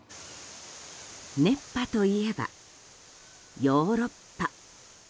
熱波といえば、ヨーロッパ。